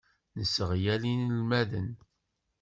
Nesseɣyal inelmaden.